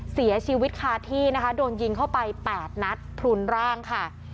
เสียชีวิตคาที่นะคะโดนยิงเข้าไป๘นัดพลุนร่างค่ะ